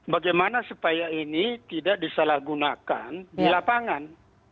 bagaimana supaya ini tidak disalahgunakan di lapangan